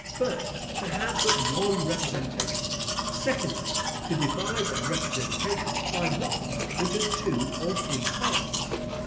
First, To have but one representation. Secondly, To divide that representation, by lot, into two or three parts.